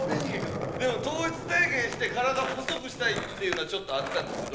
でも糖質制限して体細くしたいっていうのはちょっとあったんですよ。